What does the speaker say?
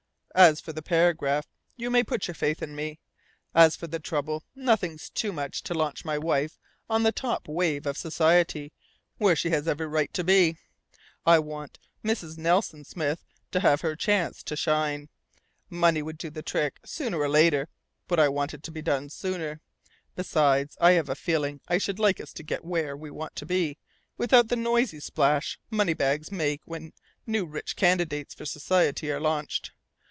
"As for the paragraph, you may put your faith in me. And as for the trouble, nothing's too much to launch my wife on the top wave of society, where she has every right to be. I want Mrs. Nelson Smith to have her chance to shine. Money would do the trick sooner or later, but I want it to be done sooner. Besides, I have a feeling I should like us to get where we want to be, without the noisy splash money bags make when new rich candidates for society are launched.